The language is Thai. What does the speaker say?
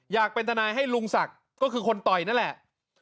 อยากเป็นทนายให้ลุงศักดิ์ก็คือคนต่อยนั่นแหละ